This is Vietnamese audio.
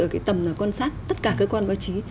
ở cái tầm quan sát tất cả cơ quan báo chí